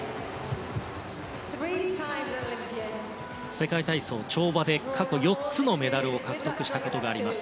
世界体操、跳馬で過去４つのメダルを獲得しています。